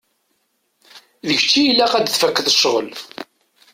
D kečč i ilaq ad tfakkeḍ ccɣel.